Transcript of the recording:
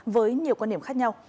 với nhiều quan điểm khác nhau